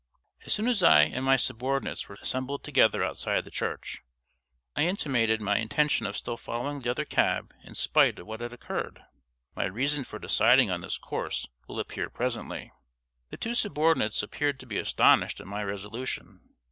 As soon as I and my subordinates were assembled together outside the church, I intimated my intention of still following the other cab in spite of what had occurred. My reason for deciding on this course will appear presently. The two subordinates appeared to be astonished at my resolution.